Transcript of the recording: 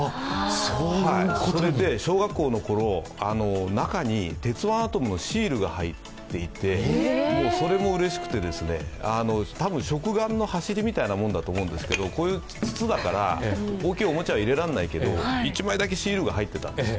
それで小学校の頃、中に「鉄腕アトム」のシールが入っていてそれもうれしくて、多分食玩の走りだと思うんですけどこういう筒だから、大きいおもちゃは入れられないけど１枚だけシールが入ってたんです。